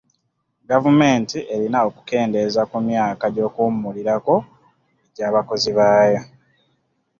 Gavumenti erina okukendeeza ku myaka gy'okuwummulirako agy'abakozi baayo.